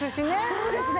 そうですね。